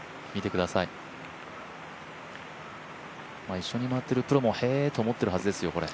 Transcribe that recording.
一緒にまわってるプロもへえ、と思ってるはずですよ。